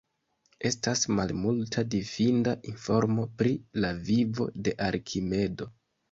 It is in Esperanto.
Estas malmulta fidinda informo pri la vivo de Arkimedo.